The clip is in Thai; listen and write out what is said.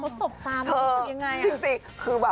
เขาสดตาแล้วมีอีกไง